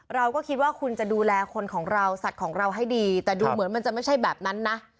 เราก็คิดว่าคุณจะดูแลคนของเราสัตว์ของเราให้ดีแต่ดูเหมือนมันจะไม่ใช่แบบนั้นนะ